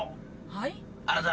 はい。